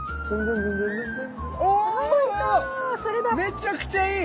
めちゃくちゃいい！